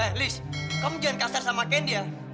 eh liz kamu jangan kasar sama candy ya